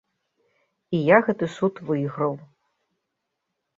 І я гэты суд выйграў.